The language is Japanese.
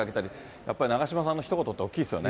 やっぱり長嶋さんのひと言って大きいですよね。